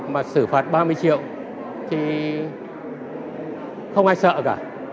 mà xử phạt ba mươi triệu thì không ai sợ cả